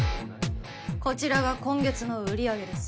こちらが今月の売り上げです